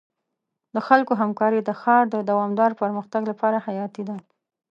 د خلکو همکاري د ښار د دوامدار پرمختګ لپاره حیاتي ده.